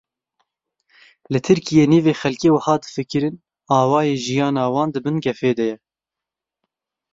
Li Tirkiyê nîvê xelkê wiha difikirin awayê jiyana wan di bin gefê de ye